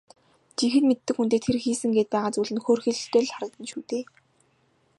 Жинхэнэ мэддэг хүндээ тэр хийсэн гээд байгаа зүйл нь хөөрхийлөлтэй л харагдана шүү дээ.